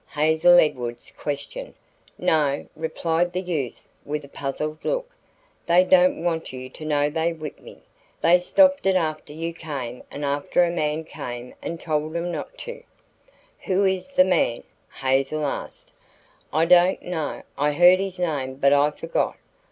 Hazel Edwards questioned. "No," replied the youth with a puzzled look; "they don't want you to know they whipped me. They stopped it after you came and after a man came and told 'em not to." "Who is the man?" Hazel asked. "I don't know. I heard his name, but I forgot."